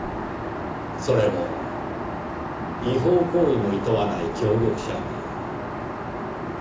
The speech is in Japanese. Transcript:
それも違法行為もいとわない協力者に。